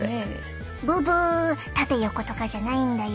ブブ縦横とかじゃないんだよ。